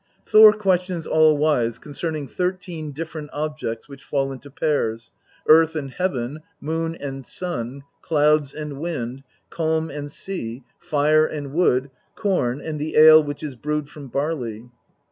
Thor questions All wise concerning thirteen different objects which fall into pairs Earth and Heaven, Moon and Sun, Clouds and Wind, Calm and Sea, Fire and Wood, Corn and the Ale which is brewed from barley.